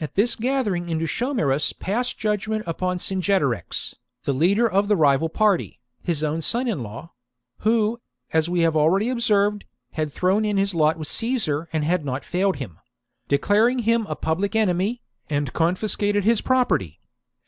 At this gathering Indutiomarus passed judgement upon Cingetorix, the leader of the rival party, his own son in law (who, as we have already observed, had thrown in his lot with Caesar and had not failed him), declaring him a public enemy, and confiscated his property.